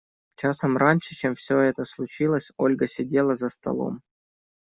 Часом раньше, чем все это случилось, Ольга сидела за столом.